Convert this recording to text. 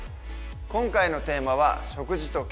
今回のテーマは「食事と健康」。